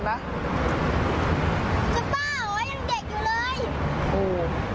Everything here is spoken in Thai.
จะบ้าหรอยังเด็กอยู่เลย